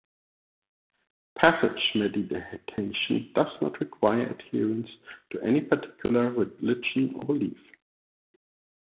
Passage Meditation does not require adherence to any particular religion or belief.